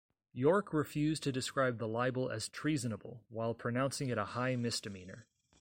Yorke refused to describe the libel as treasonable, while pronouncing it a high misdemeanour.